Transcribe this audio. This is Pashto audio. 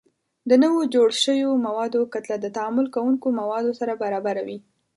د نوو جوړ شویو موادو کتله د تعامل کوونکو موادو سره برابره وي.